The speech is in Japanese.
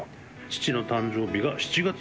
「父の誕生日が７月１４日。